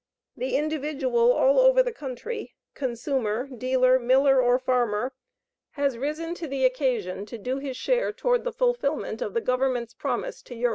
The individual all over the country, consumer, dealer, miller, or farmer, has risen to the occasion to do his share toward the fulfilment of the Government's promise to Europe.